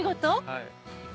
はい。